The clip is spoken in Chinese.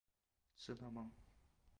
吃了吗